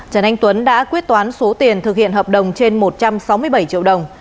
trần anh tuấn đã quyết toán số tiền thực hiện hợp đồng trên một trăm sáu mươi bảy triệu đồng